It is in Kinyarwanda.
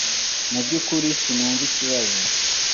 Mu byukuri sinumva ikibazo.